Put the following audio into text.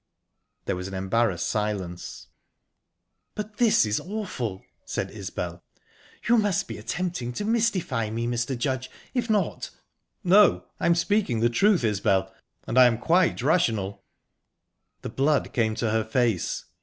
There was an embarrassed silence. "But this is awful!" said Isbel..."You must be attempting to mystify me, Mr. Judge. If not..." "No, I am speaking the truth, Isbel; and I am quite rational." The blood came to her face.